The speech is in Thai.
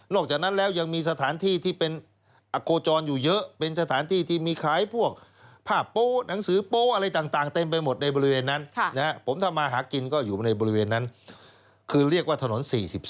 จากนั้นแล้วยังมีสถานที่ที่เป็นอโคจรอยู่เยอะเป็นสถานที่ที่มีขายพวกผ้าโป๊หนังสือโป๊อะไรต่างเต็มไปหมดในบริเวณนั้นผมทำมาหากินก็อยู่ในบริเวณนั้นคือเรียกว่าถนน๔๒